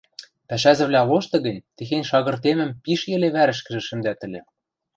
— Пӓшӓзӹвлӓ лоштӹ гӹнь техень шагыртемӹм пиш йӹле вӓрӹшкӹжӹ шӹндӓт ыльы